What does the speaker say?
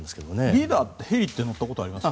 リーダーヘリって乗ったことあります？